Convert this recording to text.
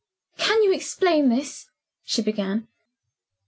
"Can you explain this?" she began.